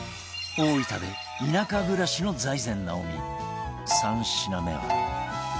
大分で田舎暮らしの財前直見３品目は